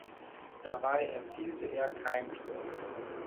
Dabei erzielte er kein Tor.